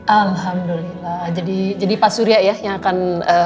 alhamdulillah jadi pak surya ya yang akan